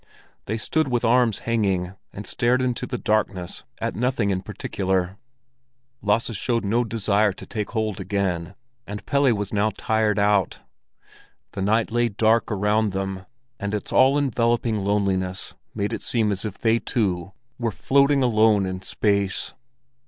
They stood with arms hanging, and stared into the darkness at nothing particular. Lasse showed no desire to take hold again, and Pelle was now tired out. The night lay dark around them, and its all enveloping loneliness made it seem as if they two were floating alone in space.